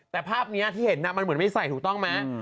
แต่ภาพนี้ที่เห็นมันเหมือนไม่ใส่ถูกต้องไหม